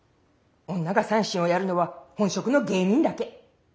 女が三線をやるのは本職の芸人だけ。